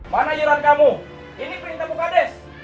mana jalan kamu ini perintah bu kades